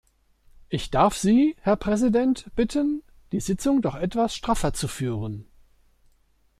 Ich darf Sie, Herr Präsident, bitten, die Sitzung doch etwas straffer zu führen.